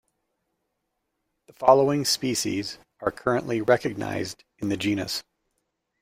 The following species are currently recognized in the genus.